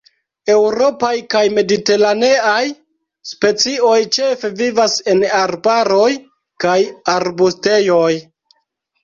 Eŭropaj kaj mediteraneaj specioj ĉefe vivas en arbaroj kaj arbustejoj.